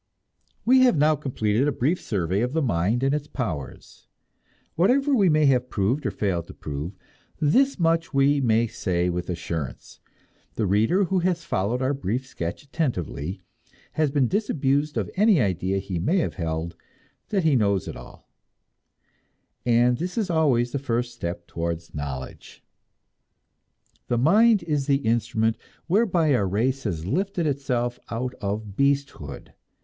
We have now completed a brief survey of the mind and its powers. Whatever we may have proved or failed to prove, this much we may say with assurance: the reader who has followed our brief sketch attentively has been disabused of any idea he may have held that he knows it all; and this is always the first step towards knowledge. The mind is the instrument whereby our race has lifted itself out of beasthood.